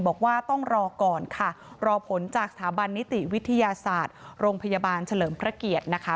บอกว่าต้องรอก่อนค่ะรอผลจากสถาบันนิติวิทยาศาสตร์โรงพยาบาลเฉลิมพระเกียรตินะคะ